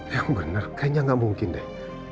ya bener kayaknya gak mungkin deh